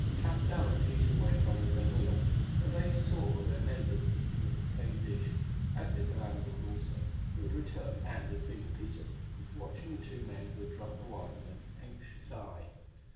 Castell and Peter went on with their meal, for they saw their neighbours eating of the same dish, as did the landlord also, who had returned, and, it seemed to Peter, was watching the two men who had drunk the wine with an anxious eye.